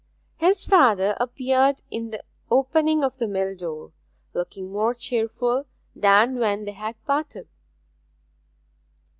His father appeared in the opening of the mill door, looking more cheerful than when they had parted.